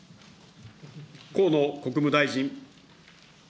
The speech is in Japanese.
河野国務大臣。